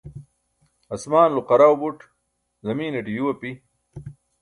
asmaanulo qarau buṭ zamiinaṭe yuu api